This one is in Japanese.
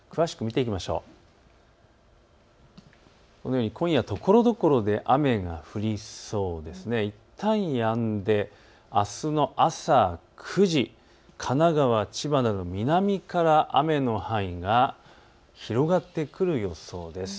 いったん、やんであすの朝９時、神奈川、千葉など南から雨の範囲が広がってくる予想です。